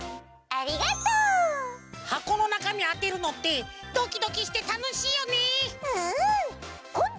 ありがとう！はこのなかみあてるのってドキドキしてたのしいよね！